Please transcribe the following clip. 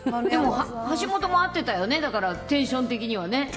でも橋本も合ってたよね、だからテンション的にはね。